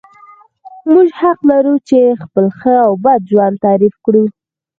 موږ حق لرو چې خپل ښه او بد ژوند تعریف کړو.